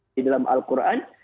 di dalam al quran